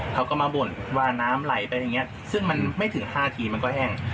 เขาก็มาบ่นว่าน้ำไหลไปอย่างนี้ซึ่งมันไม่ถึง๕ทีมันก็แห้ง